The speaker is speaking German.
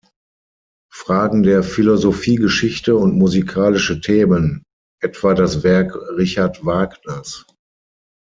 Fragen der Philosophiegeschichte und musikalische Themen, etwa das Werk Richard Wagners.